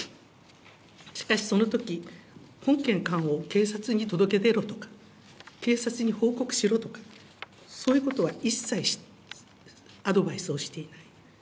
しかしそのとき、本件缶を警察に届け出ろとか、警察に報告しろとか、そういうことは一切アドバイスをしていない。